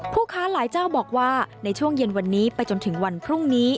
ค้าหลายเจ้าบอกว่าในช่วงเย็นวันนี้ไปจนถึงวันพรุ่งนี้